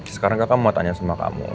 sekarang kakak mau tanya sama kamu